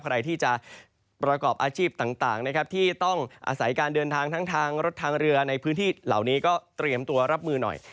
ใครที่จะประกอบอาชีพต่างนะครับที่ต้องอาศัยการเดินทางทั้งทางรถทางเรือในพื้นที่เหล่านี้ก็เตรียมตัวรับมือหน่อย